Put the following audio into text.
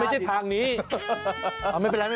เดี๋ยวเรานัดกันเรามีโซดาน้ำ